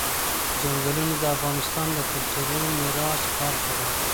چنګلونه د افغانستان د کلتوري میراث برخه ده.